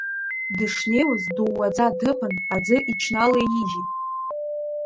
Дышнеиуаз дууаӡа дыԥан, аӡы иҽналеижьит.